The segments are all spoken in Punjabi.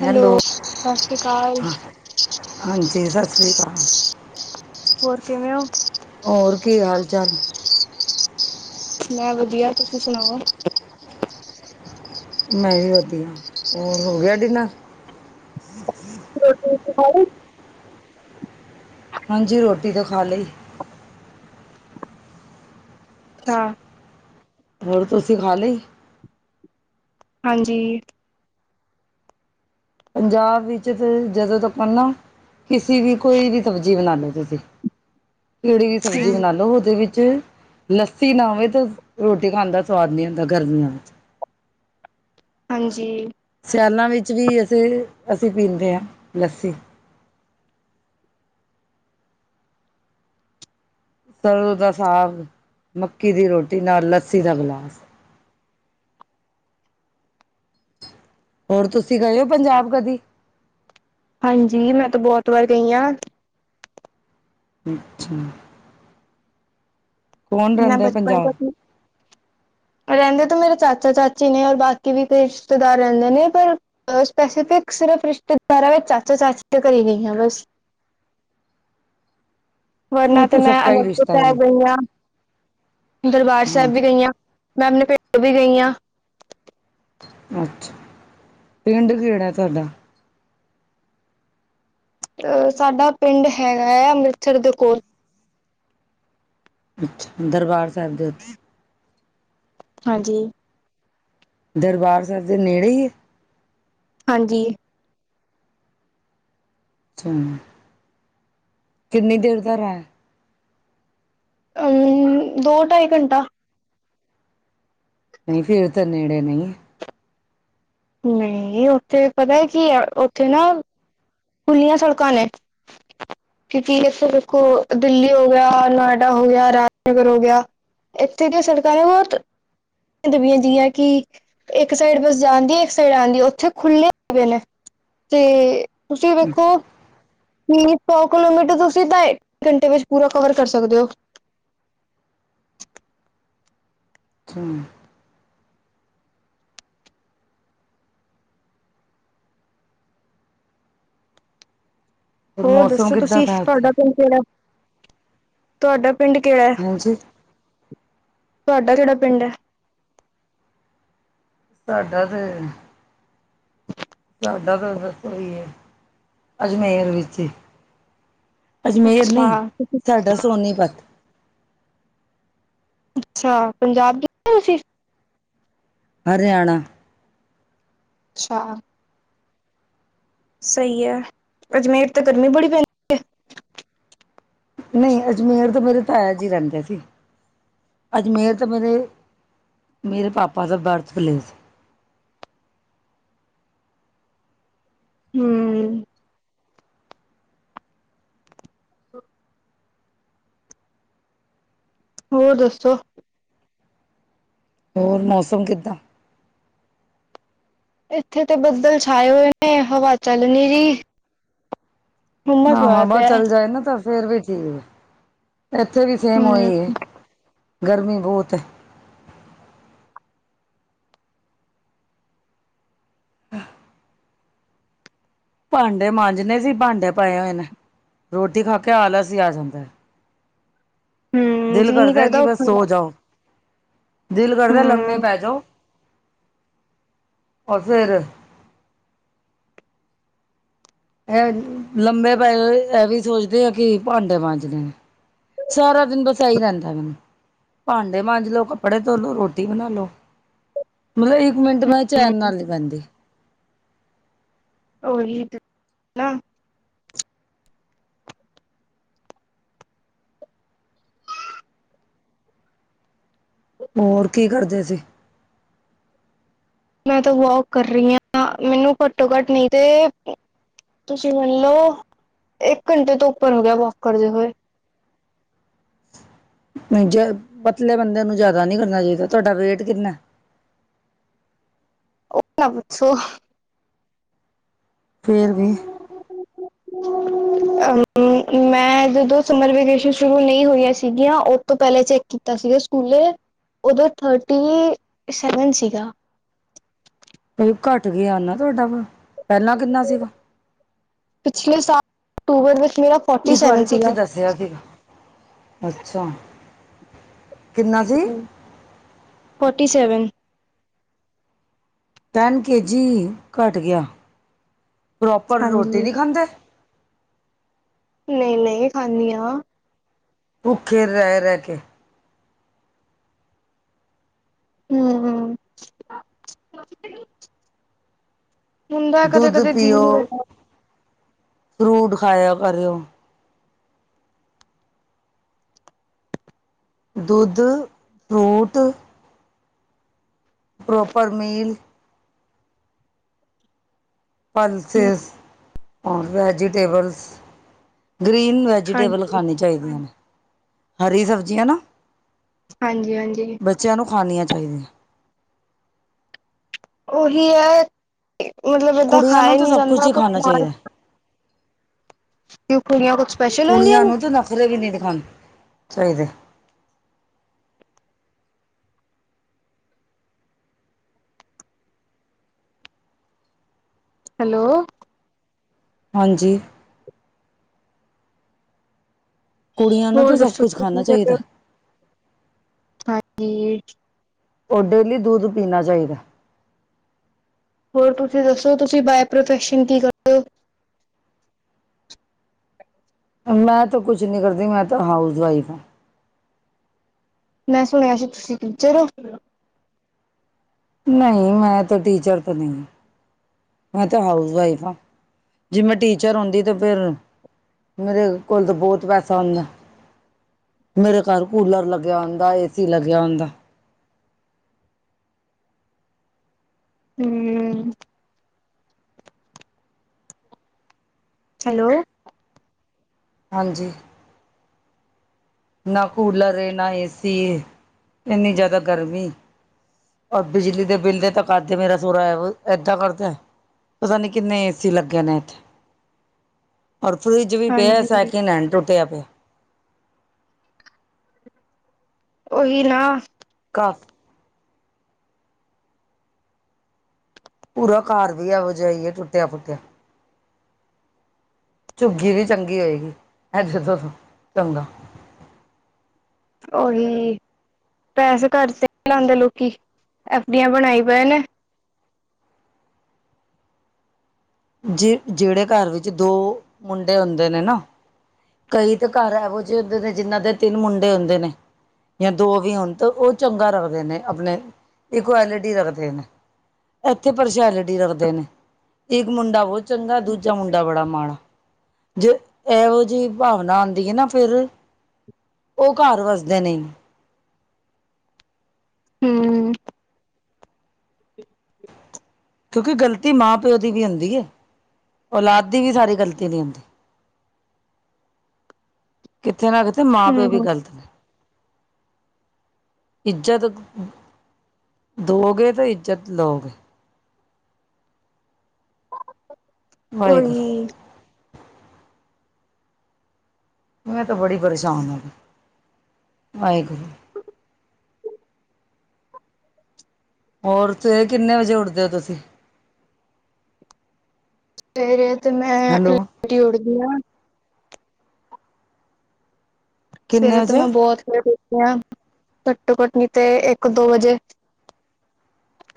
ਹੈਲੋ? ਸਤਿ ਸ਼੍ਰੀ ਅਕਾਲ ਹਾਂਜੀ, ਸਤਿ ਸ਼੍ਰੀ ਅਕਾਲ। ਹੋਰ, ਕਿਵੇਂ ਹੋ? ਹੋਰ ਕੀ ਹਾਲ ਚਾਲ ਮੈਂ ਵਧੀਆ, ਤੁਸੀਂ ਸੁਣਾਓ? ਮੈਂ ਵੀ ਵਧੀਆ, ਹੋਰ ਹੋ ਗਿਆ ਡਿਨਰ? ਰੋਟੀ-ਰੁਟੀ ਖਾਂਲੀ? ਹਾਂਜੀ, ਰੋਟੀ ਤੋਂ ਖਾ ਲਈ। ਹਾਂ। ਹੋਰ ਤੁਸੀਂ ਖਾ ਲਈ? ਹਾਂਜੀ। ਪੰਜਾਬ ਵਿੱਚ ਤੇ ਜਦੋਂ ਤ ਆਪਾ ਨਾ, ਕਿਸਸੀ ਵੀ, ਕੋਈ ਵੀ ਸਬਜ਼ੀ ਬਣਾ ਲੋ ਤੁਸੀਂ, ਕਿਹੜੀ ਵੀ ਸਬਜ਼ੀ ਬਣਾ ਲੋ, ਉਹਦੇ ਵਿੱਚ ਲੱਸੀ ਨਾ ਹੋਵੇ, ਤਾਂ ਰੋਟੀ ਖਾਣ ਦਾ ਸਵਾਦ ਨਹੀਂ ਆਂਦਾ ਗਰਮੀਆਂ ਚ। ਹਾਂਜੀ। ਸਿਆਲਾਂ ਵਿੱਚ ਵੀ ਅਸੀਂ, ਅਸੀਂ ਪੀਂਦੇ ਹਾ ਲੱਸੀ। ਸਰ੍ਹੋਂ ਦਾ ਸਾਗ, ਮੱਕੀ ਦੀ ਰੋਟੀ, ਨਾਲ ਲੱਸੀ ਦਾ ਗਿਲਾਸ। ਹੋਰ ਤੁਸੀਂ ਗਏ ਹੋ, ਪੰਜਾਬ ਕਦੀ? ਹਾਂਜੀ, ਮੈਂ ਤਾਂ ਬਹੁਤ ਵਾਰ ਗਈ ਹਾਂ। ਅੱਛਾ। ਕੌਣ ਨਾ ਰਹਿੰਦਾ ਬਚਪਨ ਤੱਕ ਨਹੀਂ ਪੰਜਾਬ [unintelligible] ਰਹਿੰਦੇ ਤਾਂ ਮੇਰੇ ਚਾਚਾ ਚਾਚੀ ਨੇ, ਔਰ ਬਾਕੀ ਵੀ ਕਈ ਰਿਸ਼ਤੇਦਾਰ ਰਹਿੰਦੇ ਨੇ, ਪਰ ਸਪੈਸੀਫਿਕ ਸਿਰਫ ਰਿਸ਼ਤੇਦਾਰਾਂ ਵਿੱਚ ਚਾਚੋ-ਚਾਚ ਘਰੇ ਹੀ ਗਈਆਂ ਬਸ। ਉਹ ਵਰਨਾਂ ਤੇ, ਤਾਂ ਸਭ ਮੈਂ ਕਾ ਹੀ ਅਨੰਦਪੁਰ ਰਿਸ਼ਤਾ ਨੇ ਸਾਹਿਬ ਗਈ ਹਾਂ। ਦਰਬਾਰ ਸਾਹਿਬ ਵੀ ਹਾਂਜੀ ਗਈ ਆ ਮੈਂ ਆਪਣੇ ਪਿੰਡ ਵੀ ਗਈ ਆ। ਅੱਛਾ, ਪਿੰਡ ਕਿਹੜਾ ਤੁਹਾਡਾ? ਅ ਸਾਡਾ ਪਿੰਡ ਹੈਗਾ ਹੈ, ਅੰਮ੍ਰਿਤਸਰ ਦੇ ਕੋਲ ਦਰਬਾਰ ਸਾਹਿਬ ਦੇ ਉੱਤੇ, ਹਾਂਜੀ। ਦਰਬਾਰ ਸਾਹਿਬ ਦੇ ਨੇੜੇ ਹੀ ਹੈ। ਹਾਂਜੀ। ਅੱਛਾ। ਕਿੰਨੀ ਦੇਰ ਦਾ ਰਾਹ। ਅਮ ਦੋ ਢਾਈ ਘੰਟਾ। ਨਹੀਂ ਫਿਰ ਤਾਂ ਨੇੜੇ ਨਹੀਂ। ਨਹੀਂ ਉੱਥੇ ਪਤਾ ਕੀ ਉੱਥੇ ਨਾ। ਖੁੱਲ੍ਹੀਆਂ ਸੜਕਾਂ ਨੇ। ਕਿਉਂਕਿ ਦੇਖੋ ਦਿੱਲੀ ਹੋ ਗਿਆ, ਨੋਇਡਾ ਹੋ ਗਿਆ, ਰਾਜਨਗਰ ਹੋ ਗਿਆ। ਇੱਥੇ ਦੀਆਂ ਸੜਕਾ ਨੇ ਬਹੁਤ। ਕਿ ਇੱਕ ਸਾਈਡ ਬਸ ਜਾਂਦੀ ਇੱਕ ਸਾਈਡ ਆਂਦੀ ਉੱਥੇ ਖੁੱਲ੍ਹੇ ਦਬੇ ਨੇ। ਤੇ ਤੁਸੀਂ ਵੇਖੋ? ਦਿੱਲੀ ਸੌ ਕਿਲੋਮੀਟਰ ਤੁਸੀਂ ਤਾਂ ਇੱਕ ਘੰਟੇ ਵਿੱਚ ਪੂਰਾ ਕਵਰ ਕਰ ਸਕਦੇ ਹੋ? [inaudible] ਹੂੰ। ਹੋਰ ਮੌਸਮ ਦੱਸੋ ਕਿੱਦਾਂ ਤੁਸੀਂ ਦਾ ਉੱਥੇ ਤੁਹਾਡਾ ਪਿੰਡ ਕਿਹੜਾ? ਤੁਹਾਡਾ ਪਿੰਡ ਕਿਹੜਾ ਹੈ। ਹਾਂਜੀ ਤੁਹਾਡਾ ਕਿਹੜਾ ਪਿੰਡ ਹੈ? ਸਾਡਾ ਤੇ। ਸਾਡਾ ਤਾਂ ਬਸ ਓਹੀ ਏ ਅਜਮੇਰ ਵਿੱਚ ਹੀ। ਅਜਮੇਰ ਅੱਛਾ ਨਹੀਂ ਸਾਡਾ ਸੋਨੀਪਤ। ਅੱਛਾ ਪੰਜਾਬ ਦੇ ਹੋ ਤੁਸੀਂ? ਹਰਿਆਣਾ। ਅੱਛਾ। ਸਹੀ ਹੈ ਅਜਮੇਰ ਤੇ ਗਰਮੀ ਬੜੀ ਪੈਂਦੀ ਏ। ਨਹੀਂ ਅਜਮੇਰ ਤੇ ਮੇਰੇ ਤਾਇਆ ਜੀ ਰਹਿੰਦੇ ਸੀ। ਅਜਮੇਰ ਤਾਂ ਮੇਰੇ ਮੇਰੇ ਪਾਪਾ ਦਾ ਬਰਥ ਪਲੇਸ। ਹੂੰ। ਹੋਰ ਦੱਸੋ? ਹੋਰ ਮੌਸਮ ਕਿੱਦਾਂ? ਇੱਥੇ ਤੇ ਬੱਦਲ ਛਾਏ ਹੋਏ ਨੇ ਹਵਾ ਚੱਲ ਨੀ ਰੀ। ਹਾਂ-ਹਾਂ, ਹਵਾ ਚੱਲ ਜਾਏ, ਨਾ ਤਾਂ ਫੇਰ ਵੀ ਠੀਕ। ਇੱਥੇ ਵੀ ਸੇਮ ਉਹੀ ਹਮ ਏ। ਗਰਮੀ ਬਹੁਤ ਹੈ। ਅੱਛਾ। [unintelligible] ਭਾਂਡੇ ਮਾਂਜਣੇ ਸੀ। ਭਾਂਡੇ ਪਾਏ ਹੋਏ ਨੇ ਰੋਟੀ ਖਾ ਕੇ ਆਲਸ ਹੀ ਆ ਜਾਂਦੈ। ਹੂੰ ਜੀਅ ਨਹੀਂ ਕਰਦਾ ਕਿ ਬਸ ਉੱਠਣ ਸੋ ਦਾ। ਜਾਓ। ਦਿਲ ਕਰਦੈ ਲੰਮੇ ਹਮ ਪੈ ਜਾਓ। ਔਰ ਫਿਰ। ਇਹ ਲੰਬੇ ਪੈ ਲਈ ਇਹ ਵੀ ਸੋਚਦੇ ਆ ਕਿ ਭਾਂਡੇ ਮਾਂਜਣੇ ਨੇ। ਸਾਰਾ ਦਿਨ ਬਸ ਇਹੀ ਰਹਿੰਦੈ ਮੈਨੂੰ। ਭਾਂਡੇ ਮਾਂਜ ਲੋ, ਕੱਪੜੇ ਧੋਲੋ, ਰੋਟੀ ਬਣਾ ਲੋ। ਮਤਲਬ ਇੱਕ ਮਿੰਟ ਮੈਂ ਚੈਨ ਨਾਲ ਨਹੀਂ ਬੈਂਦੀ। ਉਹੀ ਤੇ ਮੈਂ ਨਾ। ਹੋਰ ਕੀ ਕਰਦੇ ਸੀ? ਮੈਂ ਤਾਂ ਵੋਕ ਕਰ ਰਹੀ ਹਾਂ ਮੈਨੂੰ ਘੱਟੋ ਘੱਟ ਨਹੀਂ ਤੇ। ਤੁਸੀਂ ਮੰਨਲਓ ਇੱਕ ਘੰਟੇ ਤੋਂ ਉੱਪਰ ਹੋ ਗਿਆ ਵੋਕ ਕਰਦੇ ਹੋਏ। [unintelligible] [inaudible] ਨਹੀਂ ਜੇ ਪਤਲੇ ਬੰਦੇ ਨੂੰ ਜਿਆਦਾ ਨੀ ਕਰਨਾ ਚਾਹੀਦਾ। ਤੁਹਾਡਾ ਵੇਟ ਕਿੰਨਾ ਹੈ? ਉਹ ਨਾ ਪੁੱਛੋ? ਫੇਰ ਵੀ [unintelligible] [inaudible] ਅਹ ਮੈਂ ਜਦੋਂ ਸਮਰ ਵੇਕੇਸ਼ਨ ਸ਼ੁਰੂ ਨਹੀਂ ਹੋਈਆਂ ਸੀਗੀਆਂ ਉਹ ਤੋਂ ਪਹਿਲਾਂ ਚੈੱਕ ਕੀਤਾ ਸੀ। ਸਕੂਲੇ ਉਦੋਂ ਥਰਟੀ ਸੇਵਨ ਸੀਗਾ। ਬਈ ਘੱਟ ਗਿਆ ਆ ਨਾ ਤੁਹਾਡਾ ਵ? ਪਹਿਲਾਂ ਕਿੰਨਾ ਸੀਗਾ? ਪਿਛਲੇ ਸਾਲ ਅਕਤੂਬਰ ਵਿੱਚ ਮੇਰਾ ਫੋਟੀ ਇੱਕ ਸੈਵਨ ਵਾਰੀ ਤੁਸੀਂ ਸੀਗਾ। ਦੱਸਿਆ ਸੀਗਾ ਅੱਛਾ। ਕਿੰਨਾ ਸੀ forty seven. Ten K G ਘੱਟ ਗਿਆ। ਪ੍ਰੋਪਰ ਹਾਂਜੀ ਰੋਟੀ ਨੀ ਖਾਂਦੇ? ਨਈ ਨਈ ਖਾਣੀ ਆ। ਭੁੱਖੇ, ਰਹ- ਰਹ ਕੇ। ਹੂੰ- ਹੂੰ। ਹੁਣ ਦਾ ਕਦੇ- ਦੁੱਧ ਕਦੇ, ਜੀ ਪੀਓ ਨੀ ਲਗਦਾ। ਫਰੂਟ, ਖਾਇਆ ਕਰਿਓ। ਦੁਧ, ਫਰੂਟ। Proper meal. ਹਮ, ਪਲਸਿਸ ਔਰ ਵੈਜੀਟੇਬਲਸ। ਗ੍ਰੀਨ ਵੈਜੀਟੇਬਲ, ਹਾਂਜੀ ਖਾਣੀ ਚਾਈਦੀਆਂ ਨੇ, ਹਰੀ ਸਬਜ਼ੀਆਂ ਨਾ। ਹਾਂਜੀ-ਹਾਂਜੀ। ਚਾਈਦੀਆਂ। ਉਹੀ ਐ, ਕੀ ਮਤਲਬ, ਏਦਾਂ ਕੁੜੀਆਂ ਖਾ ਨੂੰ ਈ ਤਾਂ ਨੀ ਸਭ ਕੁਛ ਜਾਂਦਾ। ਹੀ ਖਾਣਾ ਚਾਹੀਦਾ ਕੁੜੀਆਂ ਕੁਛ ਸਪੈਸ਼ਲ ਹੁੰਦੀਆਂ ਕੁੜੀਆਂ ਨੇ ਨੂੰ ਤੇ, ਨਖਰੇ ਵੀ ਨੀ, ਦਿਖਾਣ ਚਾਈਦੇ। ਹੈਲੋ। ਹਾਂਜੀ। ਕੁੜੀਆਂ ਨੂੰ ਹੋਰ ਤਾਂ ਸਭ ਦੱਸੋ ਕੁਛ ਤੁਂ ਕੀ ਖਾਣਾ ਕਰਦੇ ਹੋ? ਚਾਹੀਦਾ ਹਾਂਜੀ [unintelligible] ਔਰ, ਡੇਲੀ ਦੁੱਧ ਪੀਣਾ, ਚਾਈਦਾ। ਹੋਰ ਤੁਸੀਂ ਦੱਸੋ, ਤੁਸੀਂ ਬਾਏ ਪ੍ਰੋਫੈਸ਼ਨ ਕੀ ਕਰਦੇ ਔ? ਮੈਂ, ਤਾਂ ਕੁਛ ਨੀ ਕਰਦੀ। ਮੈਂ ਤਾਂ, ਹਾਊਸ ਵਾਈਫ ਆਂ। ਮੈਂ, ਸੁਣਿਆ ਸੀ, ਤੁਸੀਂ ਟੀਚਰ ਓ? ਨਹੀਂ, ਮੈਂ ਤੇ, ਟੀਚਰ ਤੇ ਨੀ। ਮੈਂ, ਤੇ ਹਾਊਸ ਵਾਈਫ ਆਂ। ਜੇ ਮੈਂ, ਟੀਚਰ ਹੁੰਦੀ ਤੇ, ਫਿਰ ਮੇਰੇ ਕੋਲ ਤਾਂ, ਬਹੁਤ ਪੈਸਾ ਹੁੰਦਾ। ਮੇਰੇ ਘਰ ਕੂਲਰ ਲੱਗਿਆ ਹੁੰਦਾ ਏ ਸੀ ਲੱਗਿਆ ਹੁੰਦਾ। ਹਮ। ਹੈਲੋ। ਹਾਂਜੀ। ਨਾ ਕੂਲਰ ਏ, ਨਾ ਏਸੀ ਏ। ਏਨੀ ਜ਼ਿਆਦਾ ਗਰਮੀ ਏ। ਐ ਬਿਜਲੀ ਦੇ, ਬਿੱਲ ਦੇ ਤਾਂ ਕਰਦੇ, ਮੇਰਾ ਸੋਰਾ ਏਦਾਂ ਕਰਦੈ। ਪਤਾ ਨੀ, ਕਿੰਨੇ ਏਸੀ ਲੱਗੇ ਨੇ, ਇੱਥੇ। [inaudible] ਔਰ ਫਰਿੱਜ ਵੀ, ਪਿਆ ਹਾਂਜੀ। ਸੈਕਿੰਡ ਹੈਂਡ, ਟੁਟਿਆ ਪਿਆ। ਉਹੀ, ਨਾ। ਵਾਹ [inaudible] ਪੂਰਾ ਘਰ ਵੀ, ਆਵਾਜਾਈ ਐ। ਟੁੱਟਿਆ- ਫੁੱਟਿਆ। ਝੁੱਗੀ ਵੀ, ਚੰਗੀ ਹੋਏਗੀ। ਏਦੇ ਤੋਂ, ਤਾ ਚੰਗਾ। ਉਹੀ। ਪੈਸੇ ਘਰ ਤੇ, ਨੀ ਲਾਂਦੇ ਲੋਕੀ। ਐਫ ਡੀਆਂ ਬਣਾਈ ਪਏ ਨੇ। ਜੇ ਜੇੜੇ, ਘਰ ਵਿੱਚ, ਦੋ ਮੁੰਡੇ ਹੁੰਦੇ ਨੇ ਨਾ। ਕਈ ਤਾਂ, ਘਰ ਇਹੋ ਜੇ ਹੁੰਦੇ ਨੇ, ਜਿਨਾਂ ਦੇ ਤਿੰਨ, ਮੁੰਡੇ ਹੁੰਦੇ ਨੇ। ਯਾ, ਦੋ ਵੀ ਹੋਣ, ਤਾਂ ਉਹ ਚੰਗਾ ਰੱਖਦੇ ਨੇ, ਆਪਣੇ ਇਕੁਐਲਿਟੀ ਰੱਖਦੇ ਨੇ। ਇੱਥੇ, ਪਰਸ਼ੈਲੇਟੀ ਰੱਖਦੇ ਨੇ। ਇੱਕ ਮੁੰਡਾ ਬਹੁਤ ਚੰਗਾ, ਦੂਜਾ ਮੁੰਡਾ ਬੜਾ ਮਾੜਾ। ਜੇ ਇਹੋ, ਜਿਹੀ ਭਾਵਨਾ ਆਉਂਦੀ ਹੈ, ਨਾ ਫਿਰ ਉਹ ਘਰ ਵਸਦੇ ਨਈ। ਹੂੰ। ਕਿਉਂਕਿ, ਗ਼ਲਤੀ ਮਾਂ- ਪਿਓ ਦੀ ਵੀ, ਹੁੰਦੀ ਹੈ। ਔਲਾਦ, ਦੀ ਵੀ, ਸਾਰੀ ਗਲਤੀ ਨਹੀਂ, ਆਉਂਦੀ। [inaudible] ਕਿਤੇ ਨਾ ਕਿਤੇ ਮਾਂ- ਪਿਓ ਵੀ ਹੂੰ ਗ਼ਲਤ ਨੇ। [inaudible] ਇੱਜ਼ਤ ਦੋਗੇ, ਤੇ ਇੱਜ਼ਤ ਲਓਗੇ। ਉਹੀ। ਵਾਹਿਗੁਰੂ ਮੈਂ ਤਾਂ ਬੜੀ ਪਰੇਸ਼ਾਨ ਹਾਂ ਵਾਹਿਗੁਰੂ। ਹੋਰ ਸਵੇਰੇ ਕਿੰਨੇ ਵਜੇ ਉੱਠਦੇ ਹੋ ਤੁਸੀ? ਸਵੇਰੇ ਤੇ ਮੈਂ ਲੇਟ ਹੀ ਉਠਦੀ ਹਾਂ। ਕਿੰਨੇ ਸਵੇਰੇ ਤੇ ਮੈਂ ਵਜੇ ਬਹੁਤ। ਘੱਟੋ ਘੱਟ ਨੀ ਤੇ ਇੱਕ ਦੋ ਵਜੇ।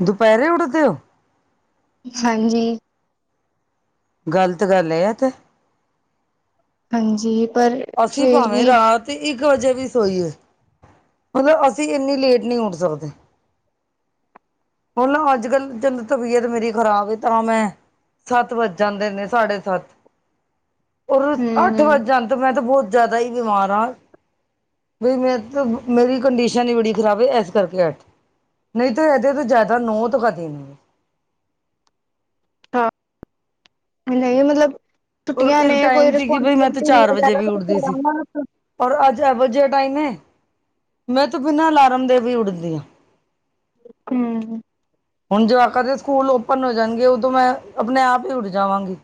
ਦੁਪਹਿਰੇ ਉਠਦੇ ਹੋ? ਹਾਂਜੀ। ਗ਼ਲਤ ਗੱਲ ਹੈ ਆ ਤੇ। ਹਾਂਜੀ। ਪਰ ਅਸੀਂ ਫੇਰ ਭਾਵੇਂ ਵੀ ਰਾਤ ਇੱਕ ਵਜੇ ਵੀ ਸੋਈਏ। ਮਤਲਬ ਅਸੀਂ ਇੰਨੀ ਲੇਟ ਨਹੀਂ ਉੱਠ ਸਕਦੇ। ਉਹ ਨਾ ਅੱਜ ਕੱਲ ਜਦ ਤਬੀਅਤ ਮੇਰੀ ਖ਼ਰਾਬ ਏ ਤਾਂ ਮੈਂ। ਸੱਤ ਵੱਜ ਜਾਂਦੇ ਨੇ ਸਾਡੇ ਸੱਤ। ਹੋਰ ਅੱਠ ਹੂੰ ਵੱਜ ਜਾਂਦੇ ਮੈਂ ਤਾਂ ਬਹੁਤ ਜ਼ਿਆਦਾ ਹੀ ਬਿਮਾਰ ਹਾਂ। ਬਈ ਮੇਰੀ ਕੰਡੀਸ਼ਨ ਹੀ ਬੜੀ ਖ਼ਰਾਬ ਹੈ ਇਸ ਕਰਕੇ ਅੱਠ ਨਹੀਂ ਤੇ। ਦੇ ਤੋਂ ਜ਼ਿਆਦਾ ਨਹਤ ਕ [inaudible] ਦੇ ਨ। ਹਾਂ ਨਹੀਂ ਮਤਲਬ ਔਰ ਛੁੱਟੀਆਂ ਇੱਕ ਨੇ ਕੋਈ ਟਾਈਮ ਸੀ ਕਿ ਬਈ ਮੈਂ ਤਾਂ ਰਿਸਪਾਂਸਬਿਲਟੀ ਚਾਰ ਵਜੇ ਵੀ ਉੱਠਦੀ ਸੀ [inaudible] ਔਰ ਅੱਜ ਇਹੋ ਜਿਹਾ ਟਾਈਮ ਏ ਮੈਂ ਤਾਂ ਬਿਨਾਂ ਅਲਾਰਮ ਦੇ ਵੀ ਉੱਠਦੀ ਹਾਂ। ਹਮ। ਹੁਣ ਜਵਾਕਾ ਦੇ ਸਕੂਲ ਓਪਨ ਹੋ ਜਾਣਗੇ। ਉਦੋਂ ਮੈਂ ਆਪਣੇ ਆਪ ਹੀ ਉੱਠ ਜਾਵਾਂਗੀ।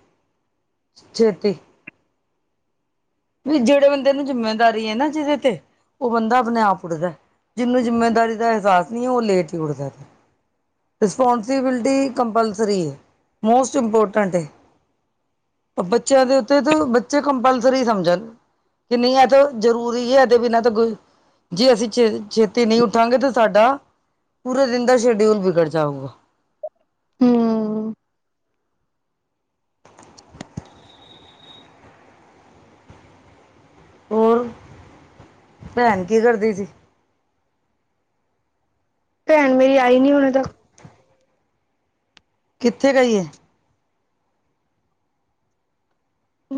ਛੇਤੀ। ਵੀ ਜਿਹੜੇ ਬੰਦੇ ਨੂੰ ਜਿੰਮੇਦਾਰੀ ਹੈ ਨਾ ਜਿਹਦੇ ਤੇ। ਉਹ ਬੰਦਾ ਆਪਣੇ ਆਪ ਉੱਠਦਾ ਜਿਹਨੂੰ ਜਿੰਮੇਦਾਰੀ ਦਾ ਅਹਿਸਾਸ ਨਹੀਂ ਹੈ ਉਹ ਲੇਟ ਹੀ ਉੱਠਦਾ। ਰਿਸਪੋਂਸੀਬਿਲਟੀ ਕੰਪਲਸਰੀ ਹੈ ਮੋਸਟ ਇੰਪੋਰਟੈਂਟ ਹੈ। ਬੱਚਿਆਂ ਦੇ ਉੱਤੇ ਤਾਂ ਬੱਚੇ ਕੰਪਲਸਰੀ ਸਮਝ। ਜੇ ਨਹੀਂ ਹੈ ਇਹ ਤਾਂ ਜ਼ਰੂਰੀ ਹੈ ਇਹਦੇ ਬਿਨਾਂ ਤਾ। ਜੇ ਅਸੀਂ ਛੇ ਛੇਤੀ ਨਹੀਂ ਉੱਠਾਂਗੇ ਤਾਂ ਸਾਡਾ। ਪੂਰੇ ਦਿਨ ਦਾ ਸ਼ੇਡਿਊਲ ਬਿਗੜ ਜਾਊਗਾ। ਹੂੰ ਹੋਰ ਭੈਣ ਕੀ ਕਰਦੀ ਸੀ? ਭੈਣ ਮੇਰੀ ਆਈ ਨੀ ਹੁਣ ਤੇ। ਕਿੱਥੇ ਗਈ ਹੈ?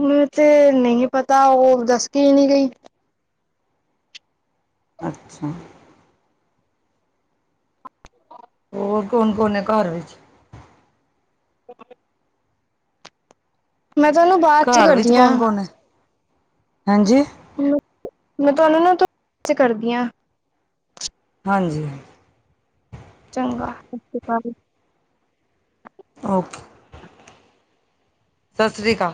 ਮੈਂ ਤੇ ਨਹੀਂ ਪਤਾ ਉਹ ਦੱਸ ਕੇ ਹੀ ਨਹੀਂ ਗਈ। ਅੱਛਾ। ਹੋਰ ਕੋਣ ਕੋਣ ਹੈ ਘਰ ਵਿੱਚ? ਹ। ਬਾਅਦ ਚ ਘਰ ਵਿੱਚ ਕਰਦੀ ਆ ਕੌਣ ਕੌਣ ਹੈ ਹਾਂਜੀ? ਮੈਂ ਤੁਹਾਨੂੰ ਨਾ ਦੋ ਮਿੰਟ ਵਿੱਚ ਕਰਦੀ ਹਾਂ। ਹਾਂਜੀ। ਚੰਗਾ ਸਤਿ ਸ੍ਰੀ ਅਕਾਲ ਜੀ। ਔਕੇ। ਸਤਿ ਸ਼੍ਰੀ ਅਕਾਲ।